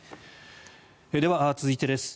では、続いてです。